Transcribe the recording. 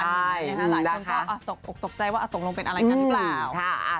หลายคนก็ตกออกตกใจว่าตกลงเป็นอะไรกันหรือเปล่า